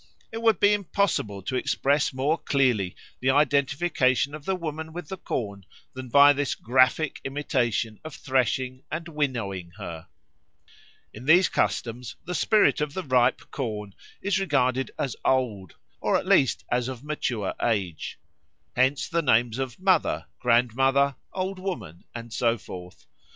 It would be impossible to express more clearly the identification of the woman with the corn than by this graphic imitation of threshing and winnowing her. In these customs the spirit of the ripe corn is regarded as old, or at least as of mature age. Hence the names of Mother, Grandmother, Old Woman, and so forth.